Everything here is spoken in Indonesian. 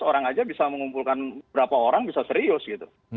orang saja bisa mengumpulkan beberapa orang bisa serius gitu